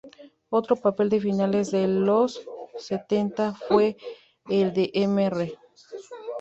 Otro papel de finales de los setenta fue el de Mr.